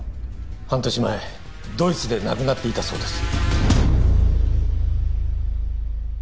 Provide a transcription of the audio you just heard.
半年前ドイツで亡くなっていたそうです